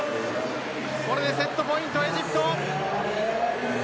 これでセットポイントエジプト。